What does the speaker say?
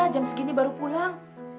jam segini baru pulang